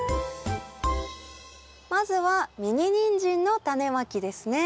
まずはミニニンジンのタネまきですね。